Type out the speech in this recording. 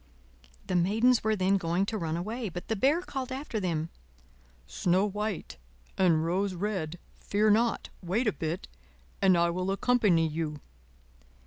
The Maidens were then going to run away, but the Bear called after them: "Snow White and Rose Red, fear not! wait a bit and I will accompany you."